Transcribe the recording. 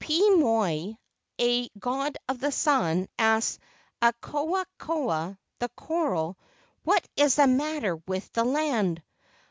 Pii moi, a god of the sun, asked Akoa koa, the coral, "What is the matter with the land?